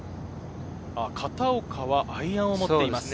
片岡はアイアンを持っています。